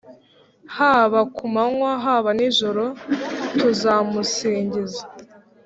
Haba kumanywa haba nijoro tuzamusingiza